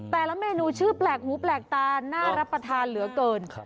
แต่ละเมนูชื่อแปลกหูแปลกตาน่ารับประทานเหลือเกิน